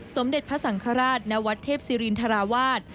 สมเด็จพระสังฆราชณวัดเทพศิรินทราวาส